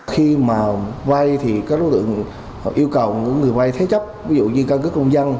khi mà vay thì các đối tượng yêu cầu người vay thế chấp ví dụ như căn cứ công dân